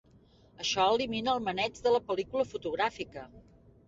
Això elimina el maneig de la pel·lícula fotogràfica.